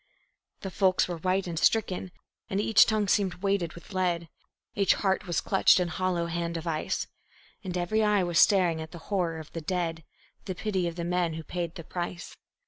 The folks were white and stricken, and each tongue seemed weighted with lead; Each heart was clutched in hollow hand of ice; And every eye was staring at the horror of the dead, The pity of the men who paid the price.